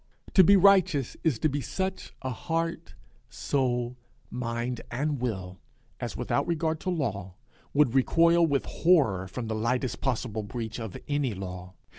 To be righteous is to be such a heart, soul, mind, and will, as, without regard to law, would recoil with horror from the lightest possible breach of any law.